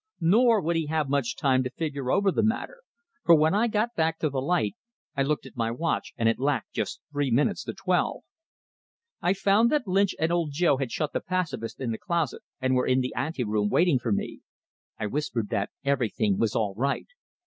Nor would he have much time to figure over the matter; for when I got back to the light, I looked at my watch, and it lacked just three minutes to twelve. I found that Lynch and Old Joe had shut the pacifist in the closet, and were in the ante room waiting for me. I whispered that everything was all right.